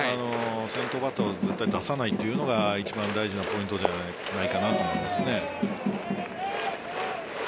先頭バッターを絶対に出さないというのが一番大事なポイントじゃないかなと思います。